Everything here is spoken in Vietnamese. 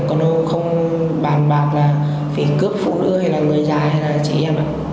còn không bàn bạc là phải cướp phụ nữ hay là người già hay là chị em ạ